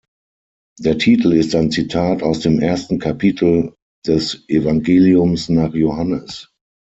Der Titel ist ein Zitat aus dem ersten Kapitel des Evangeliums nach Johannes.